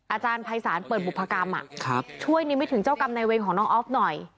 อาจารย์ภัยศาลเปิดบุพกรรมช่วยนิมิตถึงเจ้ากรรมในเวรของน้องออฟหน่อย